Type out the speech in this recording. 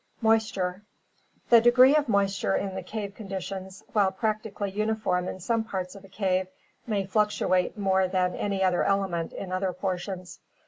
Moisture. — The degree of moisture in the cave conditions, while practically uniform in some parts of a cave, may fluctuate more than any other element in other portions.